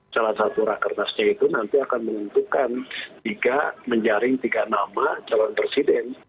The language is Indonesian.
salah satu rakernasnya itu nanti akan menentukan tiga menjaring tiga nama calon presiden